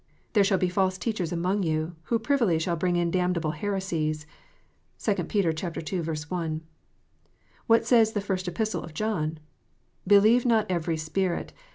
"There shall be false teachers among you, who privily shall bring in damnable heresies." (2 Peter ii. 1.) What says the First Epistle of John 1 " Believe not every spirit.